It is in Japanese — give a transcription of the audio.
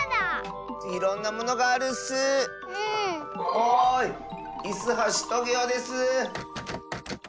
おいイスはしトゲオです。